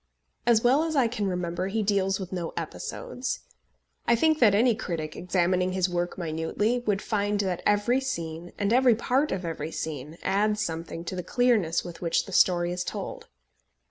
As well as I can remember, he deals with no episodes. I think that any critic, examining his work minutely, would find that every scene, and every part of every scene, adds something to the clearness with which the story is told.